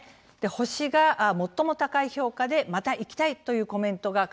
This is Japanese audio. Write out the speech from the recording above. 星が最も高い評価で「また行きたい！」というコメントが書かれてますね。